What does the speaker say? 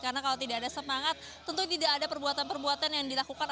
karena kalau tidak ada semangat tentu tidak ada perbuatan perbuatan yang dilakukan